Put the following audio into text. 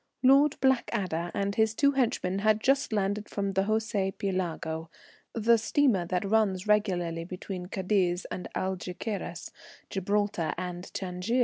Lord Blackadder and his two henchmen had just landed from the José Pielago, the steamer that runs regularly between Cadiz and Algeçiras, Gibraltar, and Tangier.